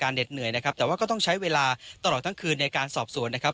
การสอบสวนในมสเมื่อคืนที่ผ่านมานะครับ